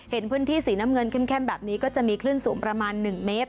เห็นพื้นที่สีน้ำเงินเข้มแบบนี้ก็จะมีคลื่นสูงประมาณ๑เมตร